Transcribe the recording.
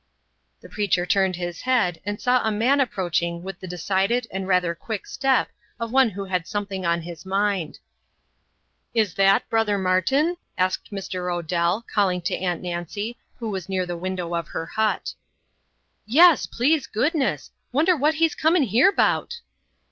The preacher turned his head and saw a man approaching with the decided and rather quick step of one who had something on his mind. "Is that brother Martin?" asked Mr. Odell, calling to Aunt Nancy, who was near the window of her hut. "Yes, please goodness! Wonder what he comin' here 'bout."